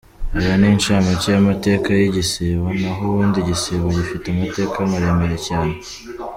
Ayo ni incamake y’amateka y’igisibo, naho ubundi igisibo gifite amateka maremare cyane.